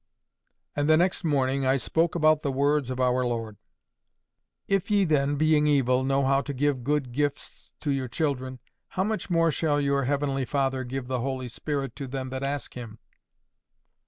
And the next morning, I spoke about the words of our Lord: "If ye then, being evil, know how to give good gifts to your children, how much more shall your heavenly Father give the Holy Spirit to them that ask Him!"